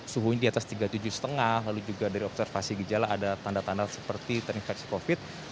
suhunya di atas tiga puluh tujuh lima lalu juga dari observasi gejala ada tanda tanda seperti terinfeksi covid